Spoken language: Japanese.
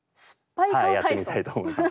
やってみたいと思います。